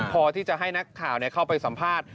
พอที่จะให้นักข่าวเข้าไปสัมภาษณ์